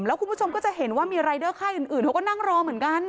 แล้วคุณผู้ชมก็จะเห็นว่ามีรายเดอร์ค่ายอื่นเขาก็นั่งรอเหมือนกัน